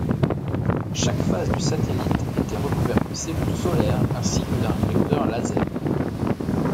Chaque face du satellite était recouverte de cellules solaires ainsi que d'un réflecteur laser.